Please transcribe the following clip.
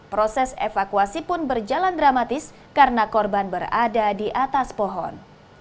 proses evakuasi pun berjalan dramatis karena korban berada di atas pohon